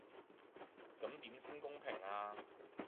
咁點先公平呀?